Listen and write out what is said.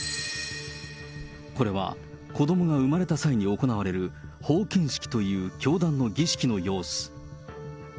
これは子どもが産まれた際に行われる奉献式という教団の儀式の様子。